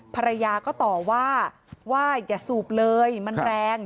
ภรรยาก็ต่อว่าว่าอย่าสูบเลยมันแรง